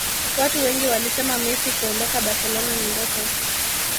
Watu wengi walisema Messi kuondoka Barcelona ni ndoto